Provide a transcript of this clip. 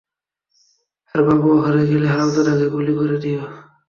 আর বাবু ওখানে গেলে, হারামজাদাকে গুলি করে দিও।